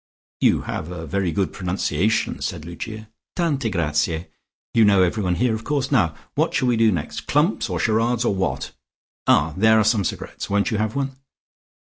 "You have a very good pronunciation," said Lucia. "Tante grazie. You know everyone here of course. Now, what shall we do next? Clumps or charades or what? Ah, there are some cigarettes. Won't you have one?"